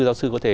giáo sư có thể